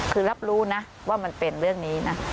คือรับรู้นะว่ามันเป็นเรื่องนี้นะ